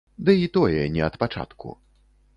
Дый тое не ад пачатку.